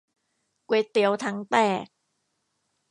ก๋วยเตี๋ยวถังแตก